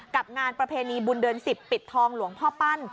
กับงานประเพณีบุญเดือน๑๐ปิดทองหลวงพ่อปั้น